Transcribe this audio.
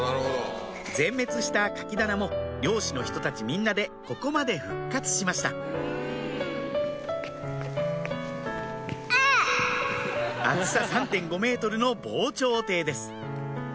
全滅したカキ棚も漁師の人たちみんなでここまで復活しました厚さ３．５ｍの防潮堤です